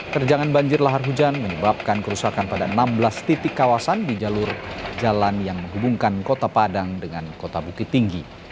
terjangan banjir lahar hujan menyebabkan kerusakan pada enam belas titik kawasan di jalur jalan yang menghubungkan kota padang dengan kota bukit tinggi